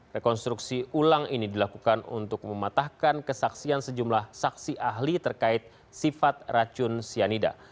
rekonstruksi ulang ini dilakukan untuk mematahkan kesaksian sejumlah saksi ahli terkait sifat racun cyanida